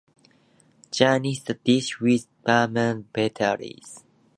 Garnish the dish with barberries.